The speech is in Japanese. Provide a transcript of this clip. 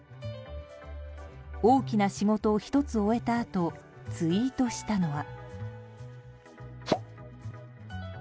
大きな仕事を１つ終えたあとツイートしたのは。